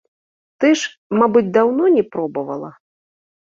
Ты ж, мабыць, даўно не пробавала.